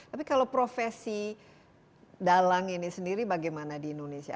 tapi kalau profesi dalang ini sendiri bagaimana di indonesia